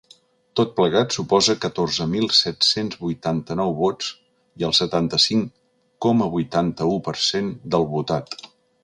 Tot plegat suposa catorze mil set-cents vuitanta-nou vots i el setanta-cinc coma vuitanta-u per cent del votat.